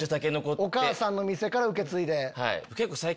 お母さんの店から受け継いで。